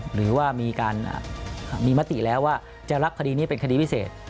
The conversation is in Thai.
หรือว่ามีการมีมติแล้วว่าจะรับคดีนี้เป็นคดีพิเศษ